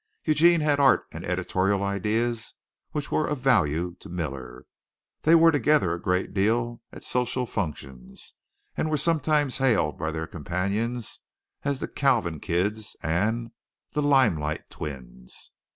Eugene had art and editorial ideas which were of value to Miller. They were together a great deal at social functions, and were sometimes hailed by their companions as the "Kalvin Kids," and the "Limelight Twins."